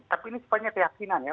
tapi ini semuanya keyakinan ya